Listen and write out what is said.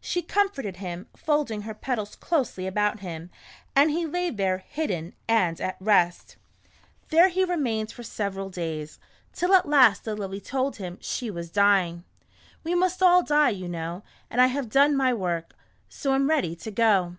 She comforted him, folding her petals closely about him, and he lay there hidden and at rest. There he remained A Grasshopper's Trip to the City. 129 for several days, till at last the Lily told him she was dying. "We must all die, you know, and I have done my work, so am ready to go."